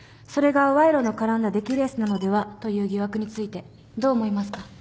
それが賄賂の絡んだ出来レースなのではという疑惑についてどう思いますか？